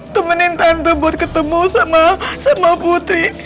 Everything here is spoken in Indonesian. temenin tante buat ketemu sama putri